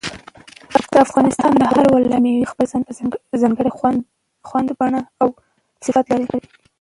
د افغانستان د هر ولایت مېوې خپل ځانګړی خوند، بڼه او صفت لري.